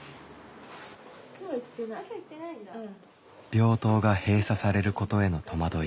病棟が閉鎖されることへの戸惑い。